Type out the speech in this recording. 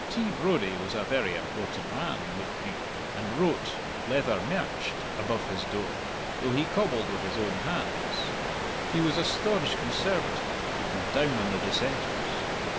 T. Brodie was a very important man, look you, and wrote "Leather Mercht." above his door, though he cobbled with his own hands. He was a staunch Conservative, and down on the Dissenters.